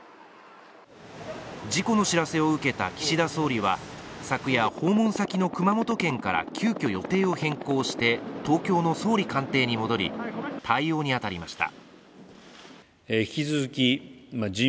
事故の知らせを受けた岸田総理は昨夜、訪問先の熊本県から急きょ予定を変更して東京の総理官邸に戻り、対応に当たりました。